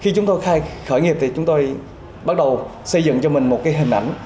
khi chúng tôi khởi nghiệp thì chúng tôi bắt đầu xây dựng cho mình một hình ảnh